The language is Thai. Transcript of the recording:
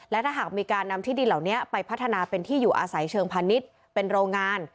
และถ้าหากมีการนำที่ดินเหล่านี้ไปพัฒนาเป็นที่อยู่อาศัยเชิงพาณิชย์เป็นโรงงาน